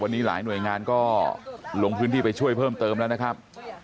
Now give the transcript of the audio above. วันนี้หลายหน่วยงานก็ลงพื้นที่ไปช่วยเพิ่มเติมแล้วนะครับ